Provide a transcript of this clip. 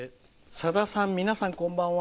「さださん皆さんこんばんは。